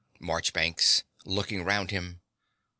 MARCHBANKS (looking round him).